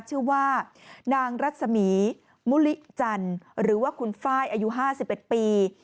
ชื่อว่านางรัศมีมุลิจันทร์หรือว่าคุณไฟล์อายุ๕๑ปี